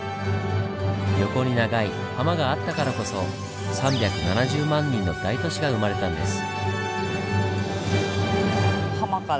横に長いハマがあったからこそ３７０万人の大都市が生まれたんです。